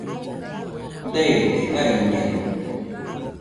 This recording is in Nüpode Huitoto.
Deide, jaiñeno.